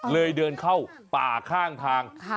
เลยเดินเข้าป่าล่างทาง